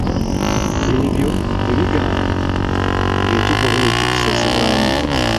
Ebyo bwe bigaana, ng’ekikolwa ekyo kisazibwamu.